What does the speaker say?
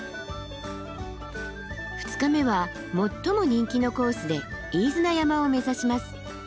２日目は最も人気のコースで飯縄山を目指します。